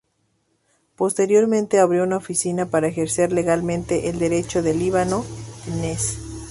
Posteriormente abrió una oficina para ejercer legalmente el derecho en Líbano, Tennessee.